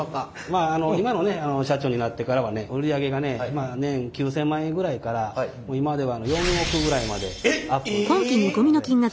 まあ今のね社長になってからはね売り上げがね年９，０００万円ぐらいから今では４億ぐらいまでアップしましたので。